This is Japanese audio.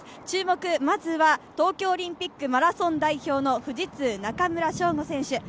注目、まずは東京オリンピックマラソン代表の富士通・中村匠吾選手。